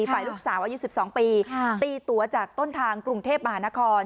ฝ่ายลูกสาวอายุ๑๒ปีตีตัวจากต้นทางกรุงเทพมหานคร